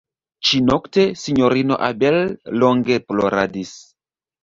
Ĉinokte Sinjorino Abel longe ploradis.